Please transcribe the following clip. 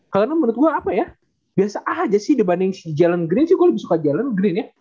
karena menurut gue apa ya biasa aja sih dibanding si jalen greene sih gue lebih suka jalen greene ya